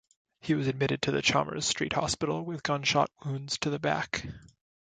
He was admitted to the Chamers Street Hospital with gunshot wounds to the back.